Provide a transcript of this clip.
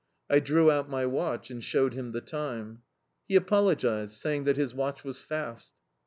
I drew out my watch and showed him the time. He apologized, saying that his watch was fast.